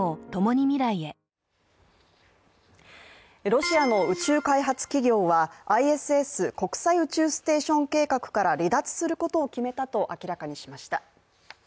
ロシアの宇宙開発企業はＩＳＳ＝国際宇宙ステーション計画から離脱することを決めたと明らかにしました。